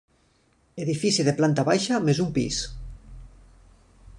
Edifici de planta baixa més un pis.